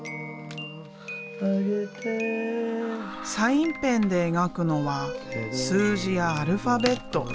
サインペンで描くのは数字やアルファベット。